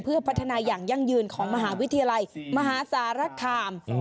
เพื่อพัฒนาอย่างยั่งยืนของมหาวิทยาลัยมหาสารคาม